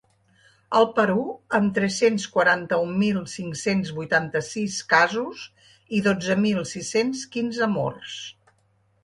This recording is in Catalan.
El Perú, amb tres-cents quaranta-un mil cinc-cents vuitanta-sis casos i dotze mil sis-cents quinze morts.